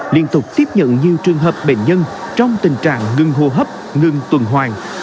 liên tục tiếp nhận nhiều trường hợp bệnh nhân trong tình trạng ngừng hô hấp ngừng tuần hoàn